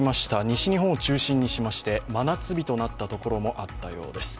西日本を中心にしまして、真夏日になったところもあったそうです。